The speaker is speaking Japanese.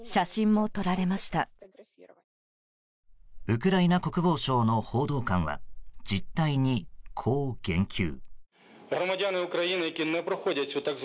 ウクライナ国防省の報道官は実態に、こう言及。